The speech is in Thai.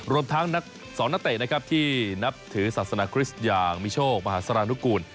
รวมทั้ง๒นักเตะนะครับที่นับถือศาสนาคริสต์อย่างมีโชคมหาสารนุกูล